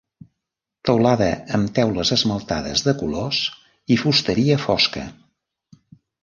Teulada amb teules esmaltades de colors i fusteria fosca.